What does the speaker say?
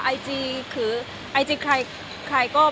ไอจีคือไอจีใคร